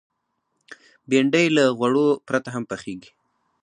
بېنډۍ له غوړو پرته هم پخېږي